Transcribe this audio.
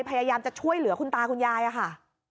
พยายามจะช่วยเหลือคุณตาคุณยายอะค่ะ